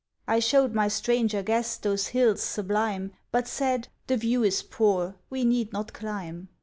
I showed my stranger guest those hills sublime, But said, "The view is poor, we need not climb."